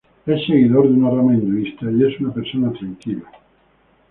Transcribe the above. Es seguidor de una rama hinduista, y es una persona tranquila.